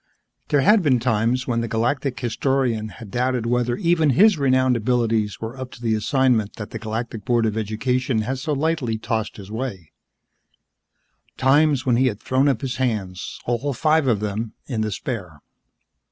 There had been times when the Galactic Historian had doubted whether even his renowned abilities were up to the assignment that the Galactic Board of Education had so lightly tossed his way, times when he had thrown up his hands all five of them in despair.